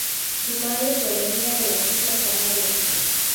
Su madre provenía de las Islas Canarias.